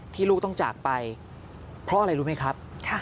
ลูกต้องจากไปเพราะอะไรรู้ไหมครับ